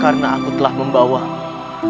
karena aku telah membawamu